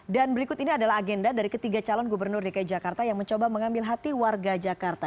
dan berikut ini adalah agenda dari ketiga calon gubernur dki jakarta yang mencoba mengambil hati warga jakarta